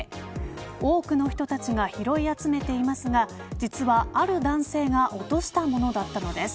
多くの人たちが拾い集めていますが実は、ある男性が落としたものだったのです。